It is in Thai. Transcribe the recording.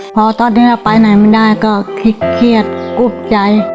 พอตอนนี้เราไปไหนไม่ได้ก็เครียดกุบใจ